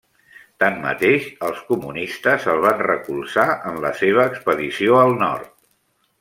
Tanmateix els comunistes el van recolzar en la seva Expedició al Nord.